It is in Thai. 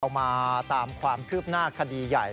มาตามความคืบหน้าคดีใหญ่